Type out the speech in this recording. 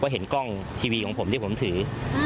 เห็นกล้องทีวีของผมที่ผมถือ